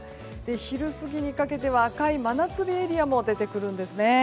昼過ぎにかけては赤い真夏日エリアも出てくるんです。